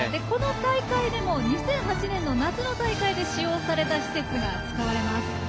この大会でも２００８年の夏の大会で使用された施設が使われます。